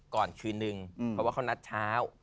คืนนึงเพราะว่าเขานัดเช้า